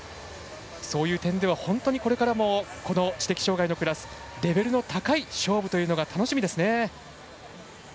そういう点では本当にこれからもこの知的障がいのクラスレベルの高い勝負というのが楽しみですね。